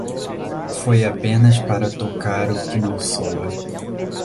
Foi apenas para tocar o que não soa.